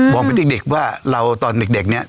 บอกไปเด็กว่าเราตอนเด็กเนี่ย